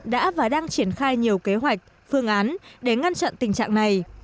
đã và đang triển khai nhiều kế hoạch phương án để ngăn chặn tình trạng này